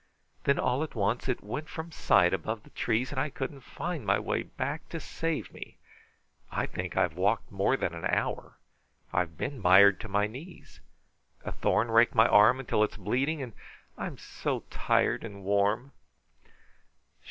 Then all at once it went from sight above the trees, and I couldn't find my way back to save me. I think I've walked more than an hour. I have been mired to my knees. A thorn raked my arm until it is bleeding, and I'm so tired and warm."